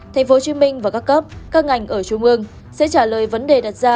thành phố hồ chí minh và các cấp các ngành ở trung ương sẽ trả lời vấn đề đặt ra